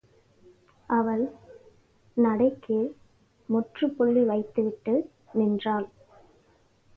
அவள், நடைக்கு முற்றுப்புள்ளி வைத்துவிட்டு நின்றாள்.